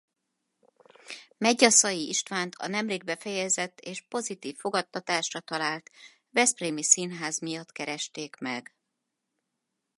Medgyaszay Istvánt a nemrég befejezett és pozitív fogadtatásra talált veszprémi színház miatt keresték meg.